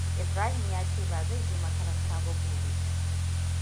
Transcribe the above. Ibrahima ya ce ba zai je makaranta ba gobe.